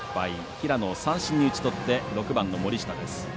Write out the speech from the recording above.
平野を三振に打ちとって、６番の森下です。